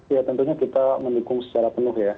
ya tentunya kita mendukung secara penuh ya